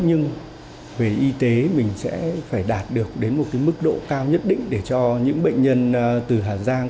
nhưng về y tế mình sẽ phải đạt được đến một mức độ cao nhất định để cho những bệnh nhân từ hà giang